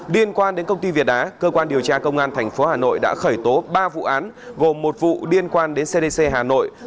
liên quan đến công ty việt á cơ quan điều tra công an tp hà nội đã khởi tố ba vụ án gồm một vụ liên quan đến cdc hà nội